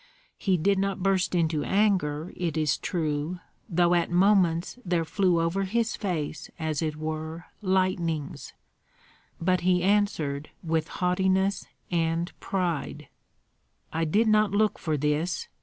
He did not burst into anger, it is true, though at moments there flew over his face as it were lightnings; but he answered with haughtiness and pride, "I did not look for this!